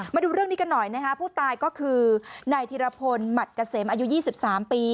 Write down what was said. มาดูเรื่องนี้กันหน่อยนะคะผู้ตายก็คือนายธิรพลหมัดเกษมอายุ๒๓ปี